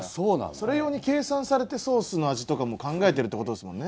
それ用に計算されてソースの味とかも考えてるって事ですもんね？